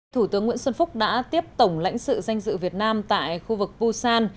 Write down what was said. thủ tướng nguyễn xuân phúc đã tiếp tổng lãnh sự danh dự việt nam tại khu vực busan